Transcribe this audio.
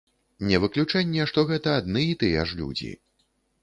Не выключэнне, што гэта адны і тыя ж людзі.